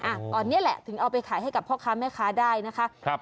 อ่ะตอนนี้แหละถึงเอาไปขายให้กับพ่อค้าแม่ค้าได้นะคะครับ